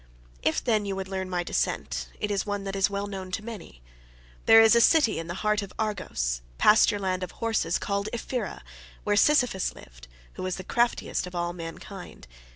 If, then, you would learn my descent, it is one that is well known to many. There is a city in the heart of Argos, pasture land of horses, called Ephyra, where Sisyphus lived, who was the craftiest of all mankind.